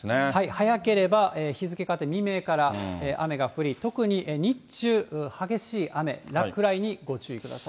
早ければ日付変わって未明から雨が降り、特に日中、激しい雨、落雷にご注意ください。